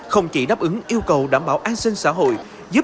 không chỉ đáp ứng yêu cầu đảm bảo an sinh xã hội